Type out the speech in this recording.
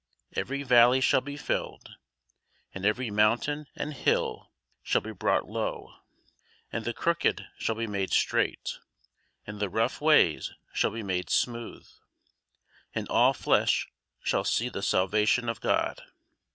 Every valley shall be filled, and every mountain and hill shall be brought low; and the crooked shall be made straight, and the rough ways shall be made smooth; And all flesh shall see the salvation of God.